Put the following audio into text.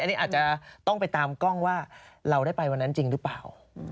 อันนี้อาจจะต้องไปตามกล้องว่าเราได้ไปวันนั้นจริงหรือเปล่า